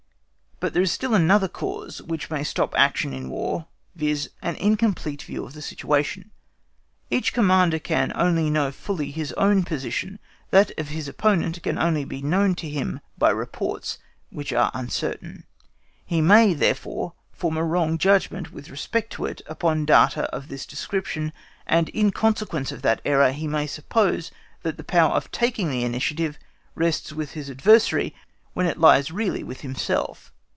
But there is still another cause which may stop action in War, viz., an incomplete view of the situation. Each Commander can only fully know his own position; that of his opponent can only be known to him by reports, which are uncertain; he may, therefore, form a wrong judgment with respect to it upon data of this description, and, in consequence of that error, he may suppose that the power of taking the initiative rests with his adversary when it lies really with himself.